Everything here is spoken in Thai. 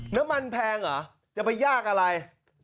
น้ำมันแพงหรอจะไปยากอะไร